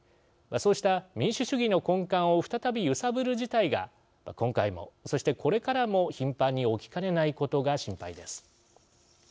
そうした民主主義の根幹を再び揺さぶる事態が今回もそしてこれからも頻繁に起きかねないことが心配です。